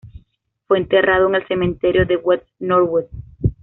Fue enterrado en el cementerio de West Norwood.